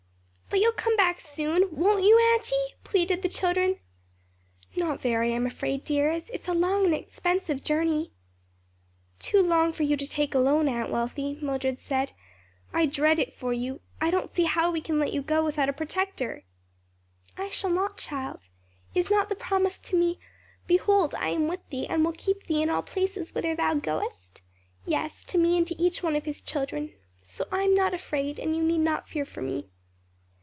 "But you'll come back soon, won't you, auntie?" pleaded the children. "Not very, I'm afraid, dears, it's a long and expensive journey." "Too long for you to take alone, Aunt Wealthy," Mildred said. "I dread it for you. I don't see how we can let you go without a protector." "I shall not, child. Is not the promise to me, 'Behold, I am with thee, and will keep thee in all places whither thou goest?' Yes; to me and to each one of His children. So I am not afraid, and you need not fear for me."